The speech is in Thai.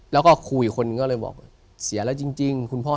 แล้วก็คุยคนก็เลยบอกเสียแล้วจริง